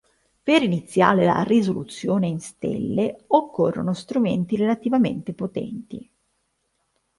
Per iniziare la risoluzione in stelle occorrono strumenti relativamente potenti.